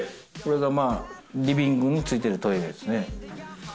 リビングについてるトイレですね。